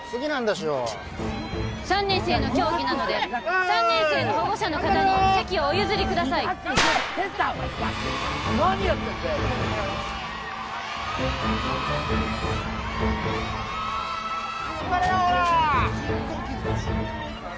しよ３年生の競技なので３年生の保護者の方に席をお譲りください・何やってんだよ！